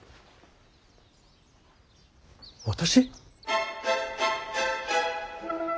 私？